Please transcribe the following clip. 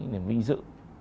niềm vinh dự